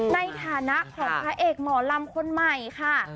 ในฐานะของพระเอกหมอลำคนใหม่ค่ะ